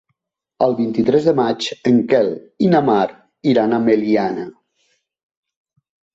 El vint-i-tres de maig en Quel i na Mar iran a Meliana.